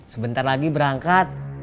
sebentar lagi berangkat